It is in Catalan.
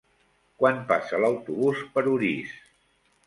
Quan passa l'autobús per Orís?